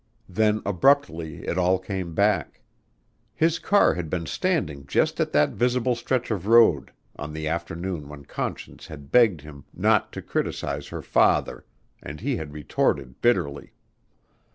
Then abruptly it all came back. His car had been standing just at that visible stretch of road on the afternoon when Conscience had begged him not to criticize her father and he had retorted bitterly.